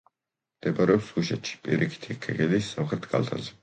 მდებარეობს თუშეთში, პირიქითი ქედის სამხრეთ კალთაზე.